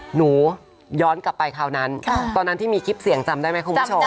หนูย้อนกลับไปคราวนั้นตอนนั้นที่มีคลิปเสียงจำได้ไหมคุณผู้ชม